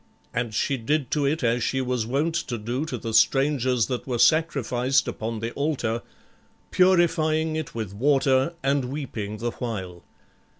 And she did to it as she was wont to do to the strangers that were sacrificed upon the altar, purifying it with water and weeping the while.